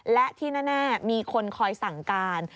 และที่แน่มีคนคอยสั่งการ